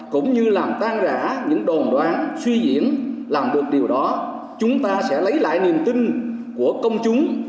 cũng như làm tan rã những đồn đoán suy diễn làm được điều đó chúng ta sẽ lấy lại niềm tin của công chúng